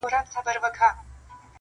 • ډېري خزانې لرو الماس لرو په غرونو کي,